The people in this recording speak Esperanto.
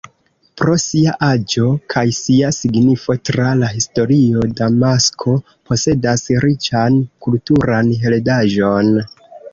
Pro sia aĝo kaj sia signifo tra la historio Damasko posedas riĉan kulturan heredaĵon.